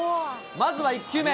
まずは１球目。